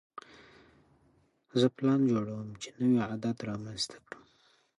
زه پلان جوړوم چې نوی عادت رامنځته کړم.